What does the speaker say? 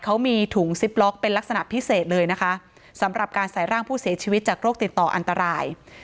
เขามีถุงซิปล็อกเป็นลักษณะพิเศษเลยนะคะสำหรับการใส่ร่างผู้เสียชีวิตจากโรคติดต่ออันตราย